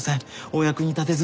お役に立てず。